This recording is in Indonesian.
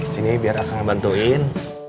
sini biar aku ngebantuin